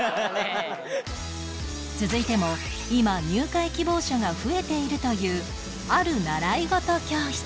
続いても今入会希望者が増えているというある習い事教室